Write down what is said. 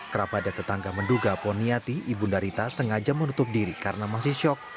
kerabat dan tetangga menduga poniati ibundarita sengaja menutup diri karena masih syok